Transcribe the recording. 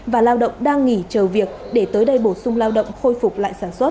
và lao động đang nghỉ chờ việc để tới đây bổ sung lao động khôi phục lại sản xuất